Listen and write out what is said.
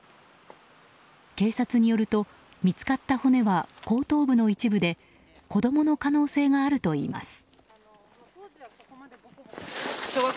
警察によると見つかった骨は後頭部の一部で子供の可能性があるといいます。